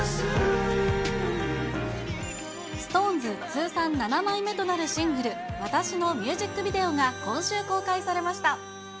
ＳｉｘＴＯＮＥＳ通算７枚目となるシングル、わたしのミュージックビデオが、今週公開されました。